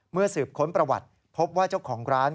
สืบค้นประวัติพบว่าเจ้าของร้าน